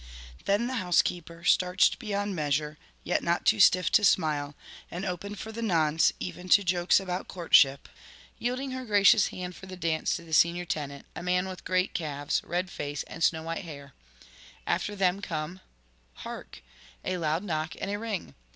Then the housekeeper, starched beyond measure, yet not too stiff to smile, and open for the nonce even to jokes about courtship, yielding her gracious hand for the dance to the senior tenant, a man with great calves, red face, and snow white hair. After them come Hark! a loud knock and a ring.